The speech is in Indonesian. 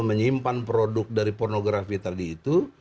menyimpan produk dari pornografi tadi itu